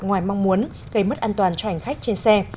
ngoài mong muốn gây mất an toàn cho hành khách trên xe